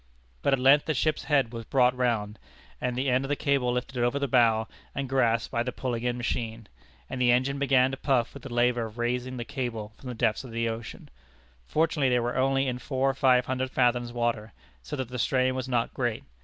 But at length the ship's head was brought round, and the end of the cable lifted over the bow, and grasped by the pulling in machine, and the engine began to puff with the labor of raising the cable from the depths of the ocean. Fortunately they were only in four or five hundred fathoms water, so that the strain was not great.